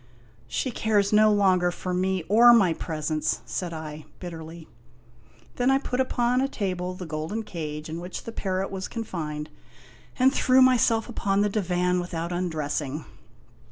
" She cares no longer for me or my presents !" said I, bitterly. Then I put upon a table the golden cage in which the parrot was confined, and threw myself upon the divan without undressing.